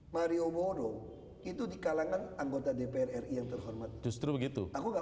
mario modo itu di kalangan anggota dpr ri yang terhormat justru begitu aku gak